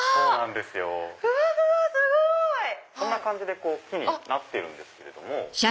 すごい！こんな感じで木になってるんですけれども。